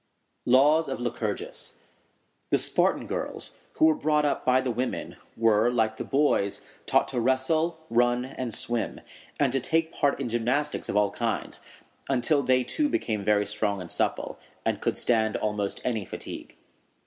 LAWS OF LYCURGUS. The Spartan girls, who were brought up by the women, were, like the boys, taught to wrestle, run, and swim, and to take part in gymnastics of all kinds, until they too became very strong and supple, and could stand almost any fatigue.